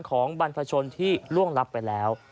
ของบรรพชนที่ล่วงลับไปแล้ว